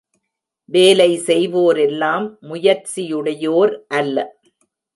வேலை செய்வோரெல்லாம் முயற்சியுடையோர் அல்ல.